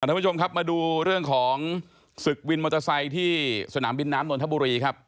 ทุกผู้ชมครับมาดูเรื่องของศึกวินมอเตอร์ไซค์ที่สนามบินน้ำนนทบุรีครับ